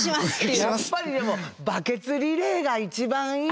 やっぱりでもバケツリレーが一番いいよね。